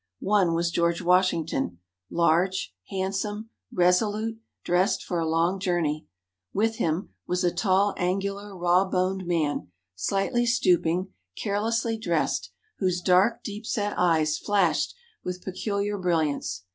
One was George Washington, large, handsome, resolute, dressed for a long journey. With him, was a tall, angular, raw boned man, slightly stooping, carelessly dressed, whose dark, deep set eyes flashed with peculiar brilliance.